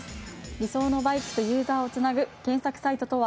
理想のバイクとユーザーをつなぐ検索サイトとは？